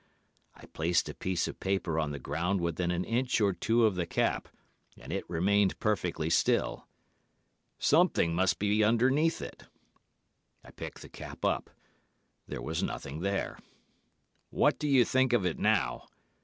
I placed a piece of paper on the ground within an inch or two of the cap, and it remained perfectly still. 'Something must be underneath it.' I picked the cap up, there was nothing there. 'What do you think of it now?